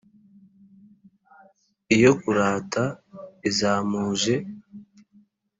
yo kurata izamuje,